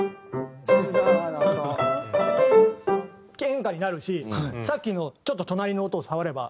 演歌になるしさっきのちょっと隣の音を触れば。